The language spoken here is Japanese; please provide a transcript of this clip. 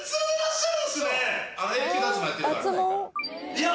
いや。